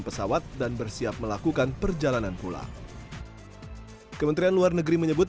pesawat dan bersiap melakukan perjalanan pulang kementerian luar negeri menyebut